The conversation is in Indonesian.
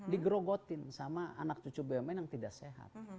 digerogotin sama anak cucu bumn yang tidak sehat